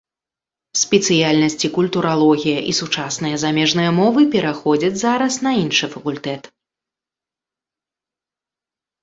Спецыяльнасці культуралогія і сучасныя замежныя мовы пераходзяць зараз на іншы факультэт.